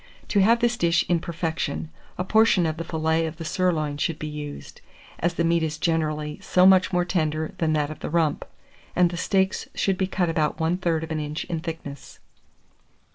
To have this dish in perfection, a portion of the fillet of the sirloin should be used, as the meat is generally so much more tender than that of the rump, and the steaks should be cut about 1/3 of an inch in thickness.